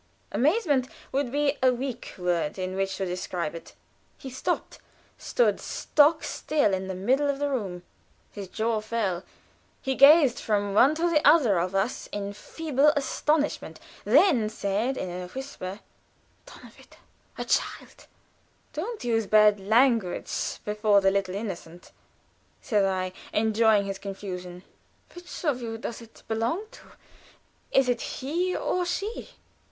Amazement would be a weak word in which to describe it. He stopped, stood stock still in the middle of the room; his jaw fell he gazed from one to the other of us in feeble astonishment, then said, in a whisper: "Donnerwetter! A child!" "Don't use bad language before the little innocent," said I, enjoying his confusion. "Which of you does it belong to? Is it he or she?"